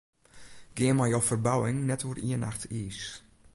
Gean mei jo ferbouwing net oer ien nacht iis.